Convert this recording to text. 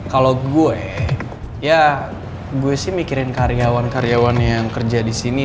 kalau gue ya gue sih mikirin karyawan karyawan yang kerja di sini